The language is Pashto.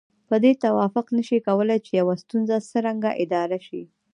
په دې توافق نشي کولای چې يوه ستونزه څرنګه اداره شي.